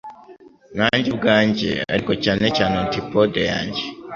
Nanjye ubwanjye ariko cyane cyane antipode yanjye;